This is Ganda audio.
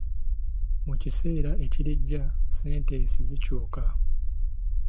Mu kiseera ekirijja ssentensi zikyuka.